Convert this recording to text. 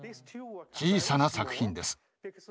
小さな作品です。